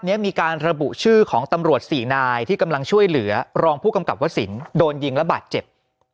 มีการระบุชื่อของตำรวจสี่นายที่กำลังช่วยเหลือรองผู้กำกับวสินโดนยิงและบาดเจ็บ